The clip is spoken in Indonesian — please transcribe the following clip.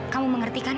kamu mengerti kan